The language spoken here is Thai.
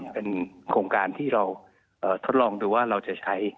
เป็นโครงการที่เราทดลองดูว่าเราจะใช้